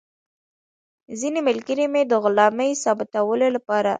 ځینې ملګري مې د غلامۍ ثابتولو لپاره.